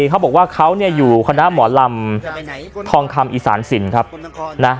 เขาบอกว่าเขาเนี่ยอยู่คณะหมอลำทองคำอีสานสินครับนะ